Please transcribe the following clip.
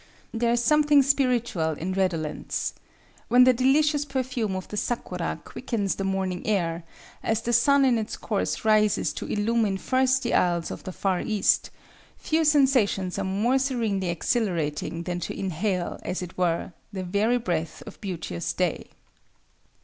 There is something spirituelle in redolence. When the delicious perfume of the sakura quickens the morning air, as the sun in its course rises to illumine first the isles of the Far East, few sensations are more serenely exhilarating than to inhale, as it were, the very breath of beauteous day.